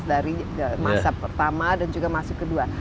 dari masa pertama dan juga masa kedua